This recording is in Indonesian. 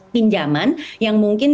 pinjaman yang mungkin